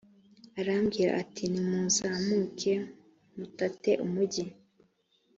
arababwira ati «nimuzamuke mutate umugi.